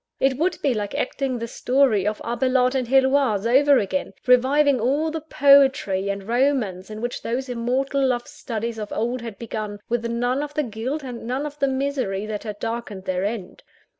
It would be like acting the story of Abelard and Heloise over again reviving all the poetry and romance in which those immortal love studies of old had begun, with none of the guilt and none of the misery that had darkened their end.